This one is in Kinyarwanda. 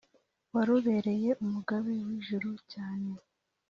warubereye umugabe wijuru cyane